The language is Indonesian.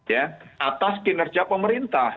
ya atas kinerja pemerintah